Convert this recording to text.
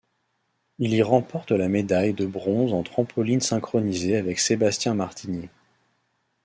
Il y remporte la médaille de bronze en trampoline synchronisé avec Sébastien Martiny.